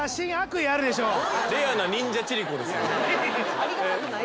ありがたくない。